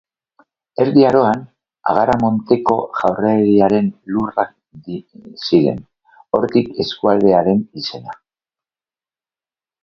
Erdi Aroan, Agaramonteko jaurerriaren lurrak ziren, hortik eskualdearen izena.